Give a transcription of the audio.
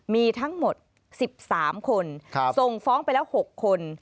มีทั้งหมด๑๓คนส่งฟ้องไปแล้ว๖คน